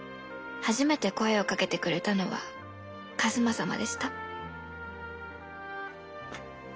初めて声をかけてくれたのは一馬様でした」。